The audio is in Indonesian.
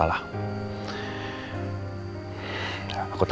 setelah menerima jadi